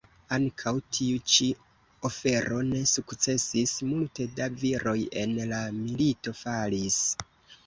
Ankaŭ tiu ĉi ofero ne sukcesis, multe da viroj en la milito falis.